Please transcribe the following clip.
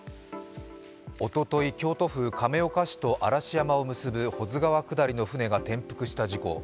おととい、京都府亀岡市と嵐山を結ぶ保津川下りの舟が転覆した事故。